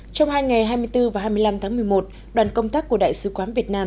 trong hai ngày hai mươi bốn và hai mươi năm tháng một mươi một đoàn công tác của đại sứ quán việt nam